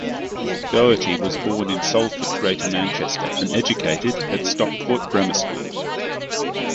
Dougherty was born in Salford, Greater Manchester and educated at Stockport Grammar School.